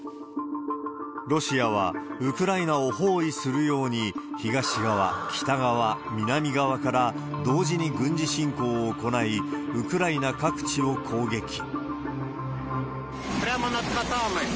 ロシアは、ウクライナを包囲するように東側、北側、南側から同時に軍事侵攻を行い、ウクライナ各地を攻撃。